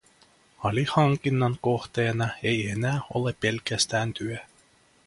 Alihankinnan kohteena ei enää ole pelkästään työ.